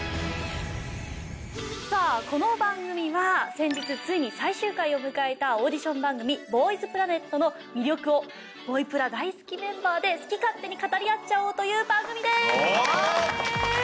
さあこの番組は先日ついに最終回を迎えたオーディション番組『ＢＯＹＳＰＬＡＮＥＴ』の魅力を『ボイプラ』大好きメンバーで好き勝手に語り合っちゃおうという番組です！